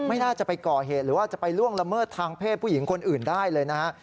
น่าจะไปก่อเหตุหรือว่าจะไปล่วงละเมิดทางเพศผู้หญิงคนอื่นได้เลยนะฮะ